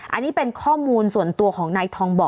อันนี้เป็นข้อมูลส่วนตัวของนายทองบ่อ